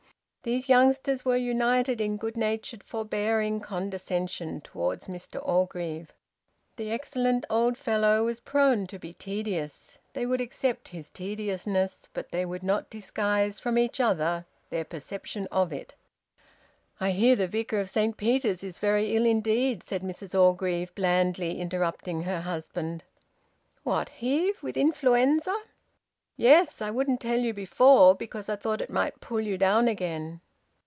These youngsters were united in good natured forbearing condescension towards Mr Orgreave. The excellent old fellow was prone to be tedious; they would accept his tediousness, but they would not disguise from each other their perception of it. "I hear the Vicar of Saint Peter's is very ill indeed," said Mrs Orgreave, blandly interrupting her husband. "What? Heve? With influenza?" "Yes. I wouldn't tell you before because I thought it might pull you down again."